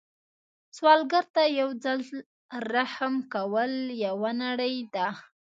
سوالګر ته یو ځل رحم کول یوه نړۍ ده